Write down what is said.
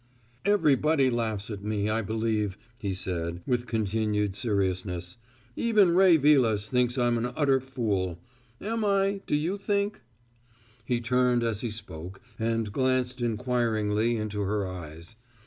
"Everybody laughs at me, I believe," he said, with continued seriousness. "Even Ray Vilas thinks I'm an utter fool. Am I, do you think?" He turned as he spoke and glanced inquiringly into her eyes.